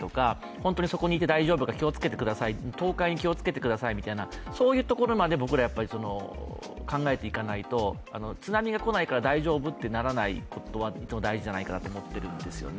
本当にそこにいて大丈夫か、倒壊に気をつけてくださいとか、そういうところまで僕ら、考えていかないと津波が来ないから大丈夫とならないのがいつも大事じゃないかなと思っているんですよね。